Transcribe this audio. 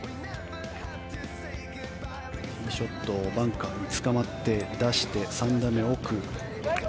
ティーショットバンカーにつかまって、出して３打目は奥。